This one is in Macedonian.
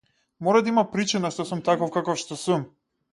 Мора да има причина што сум таков каков што сум.